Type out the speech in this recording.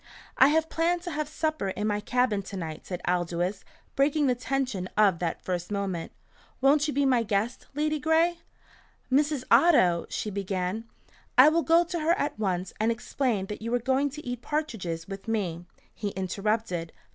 "I have planned to have supper in my cabin to night," said Aldous, breaking the tension of that first moment. "Won't you be my guest, Ladygray?" "Mrs. Otto " she began. "I will go to her at once and explain that you are going to eat partridges with me," he interrupted.